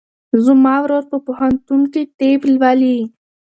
زما ورور په پوهنتون کې طب لولي.